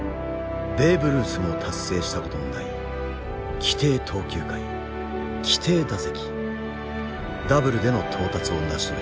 ベーブ・ルースも達成したことのない規定投球回規定打席ダブルでの到達を成し遂げた。